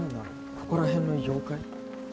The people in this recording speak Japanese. ここら辺の妖怪？